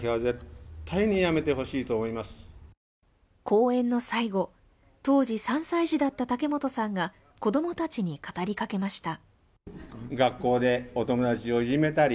講演の最後、当時３歳児だった竹本さんが子供たちに語りかけました。